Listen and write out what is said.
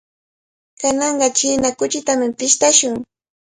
Kananqa china kuchitami pishtashun.